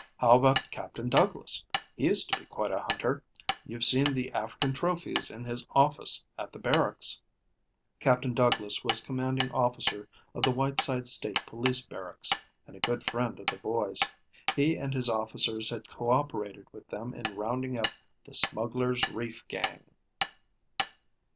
"How about Captain Douglas? He used to be quite a hunter. You've seen the African trophies in his office at the barracks." Captain Douglas was commanding officer of the Whiteside State Police Barracks, and a good friend of the boys. He and his officers had co operated with them in rounding up the Smugglers' Reef gang.